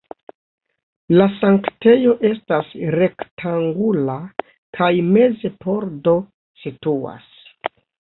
La sanktejo estas rektangula kaj meze pordo situas.